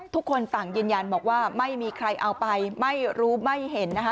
ทุกคนต่างยืนยันบอกว่าไม่มีใครเอาไปไม่รู้ไม่เห็นนะคะ